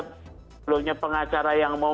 belumnya pengacara yang mau